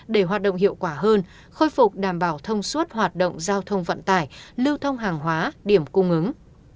để hoạt động hiệu quả hơn khôi phục đảm bảo thông suốt hoạt động giao thông vận tải lưu thông hàng hóa điểm cung ứng